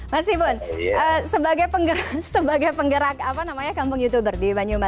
mas ibu sebagai penggerak kampung youtuber di banyumas sampai sekarang sudah punya berapa anggota